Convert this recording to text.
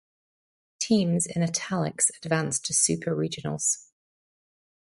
Teams in italics advanced to Super Regionals.